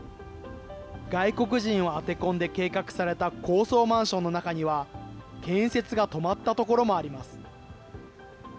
外国人を当て込んで計画された高層マンションの中には、建設が止まったところもあります。